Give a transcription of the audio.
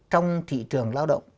trong thị trường lao động